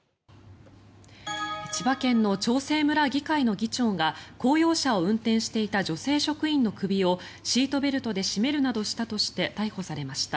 千葉県の長生村議会の議長が公用車を運転していた女性職員の首をシートベルトで絞めるなどしたとして逮捕されました。